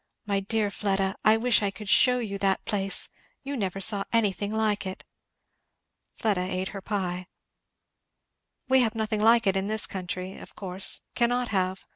My dear Fleda! I wish I could shew you that place! you never saw anything like it." Fleda eat her pie. "We have nothing like it in this country of course cannot have.